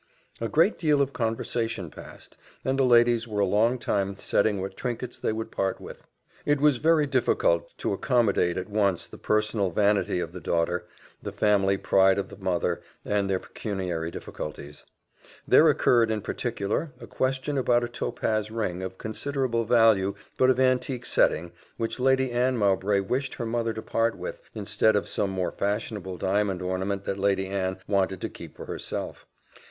A great deal of conversation passed, and the ladies were a long time settling what trinkets they would part with. It was very difficult to accommodate at once the personal vanity of the daughter, the family pride of the mother, and their pecuniary difficulties. There occurred, in particular, a question about a topaz ring, of considerable value, but of antique setting, which Lady Anne Mowbray wished her mother to part with, instead of some more fashionable diamond ornament that Lady Anne wanted to keep for herself.